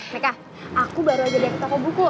meka aku baru aja di toko buku